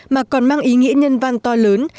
mà còn mang ý nghĩa nhân vang to lớn